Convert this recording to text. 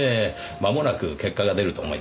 まもなく結果が出ると思いますよ。